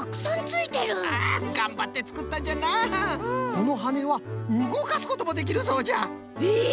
このはねはうごかすこともできるそうじゃ。え！？